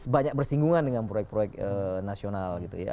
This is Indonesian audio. banyak bersinggungan dengan proyek proyek nasional gitu ya